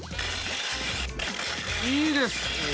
いいです！